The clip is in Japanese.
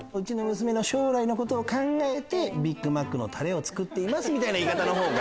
「娘の将来のことを考えてビッグマックのタレを作ってます」みたいな言い方のほうが。